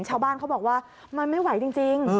ชาวบ้านเขาบอกว่ามันไม่ไหวจริง